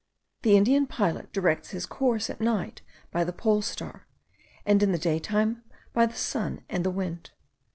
The Indian pilot directs his course at night by the pole star, and in the daytime by the sun and the wind.